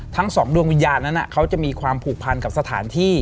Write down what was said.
สองดวงวิญญาณนั้นเขาจะมีความผูกพันกับสถานที่